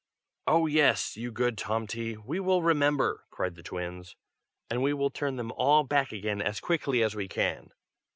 '" "Oh! yes, you good Tomty, we will remember!" cried the twins. "And we will turn them all back again as quickly as we can."